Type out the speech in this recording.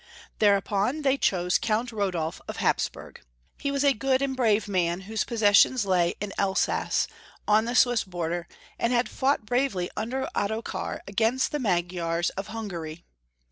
There upon they chose Count Rodolf of Hapsbui'g. He was a good and brave man, whose possessions lay in Elsass, on the Swiss border, and had fought bravely under Ottokar against the Magyars of Hungary.